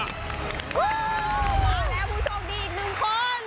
มาแล้วผู้โชคดีอีกหนึ่งคน